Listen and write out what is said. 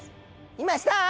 いました？